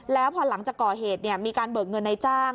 แล้วพอหลังจากก่อเหตุมีการเบิกเงินในจ้าง